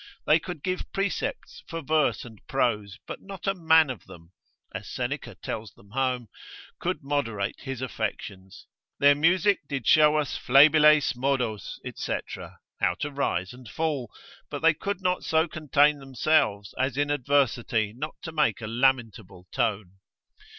They could give precepts for verse and prose, but not a man of them (as Seneca tells them home) could moderate his affections. Their music did show us flebiles modos, &c. how to rise and fall, but they could not so contain themselves as in adversity not to make a lamentable tone.